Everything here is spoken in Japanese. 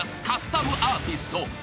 カスタムアーティスト］